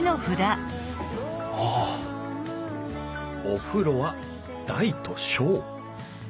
お風呂は大と小